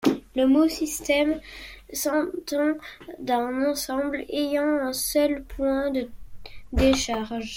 Le mot système s'entend d'un ensemble ayant un seul point de décharge.